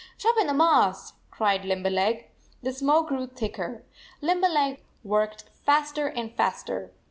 " Drop in the moss," cried Limberleg. The smoke grew thicker. Limberleg worked faster and faster.